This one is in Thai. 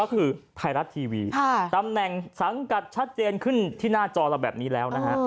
ก็คือไทยรัฐทีวีตำแหน่งสังกัดชัดเจนขึ้นที่หน้าจอเราแบบนี้แล้วนะฮะ